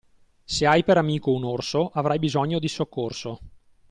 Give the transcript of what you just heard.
Se hai per amico un orso, avrai bisogno di soccorso.